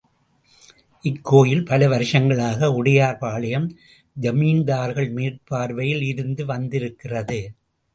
இக்கோயில் பல வருஷங்களாக உடையார்பாளையம் ஜமீன்தார்கள் மேற்பார்வையில் இருந்து வந்திருக்கிறது.